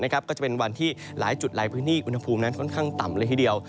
ก็จะเป็นวันที่หลายจุดหลายพื้นที่อุณหภูมินั้นค่อนข้างต่ำเลยทีเดียว